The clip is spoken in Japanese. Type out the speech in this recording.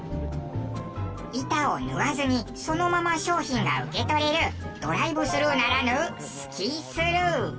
板を脱がずにそのまま商品が受け取れるドライブするーならぬスキースルー。